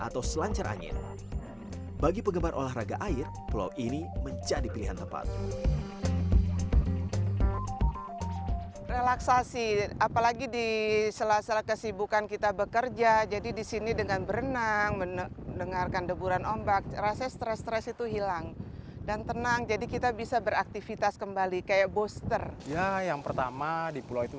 terutama hari besar nasional